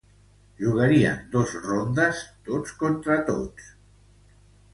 Jugarien dos rondes tots contra tots.